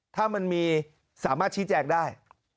ถ้ามันมีสามารถชี้แจงได้